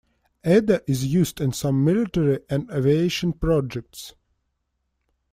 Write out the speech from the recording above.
Ada is used in some military and aviation projects.